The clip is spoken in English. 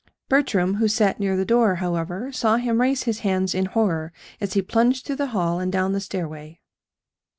Bertram, who sat near the door, however, saw him raise his hands in horror as he plunged through the hall and down the stairway.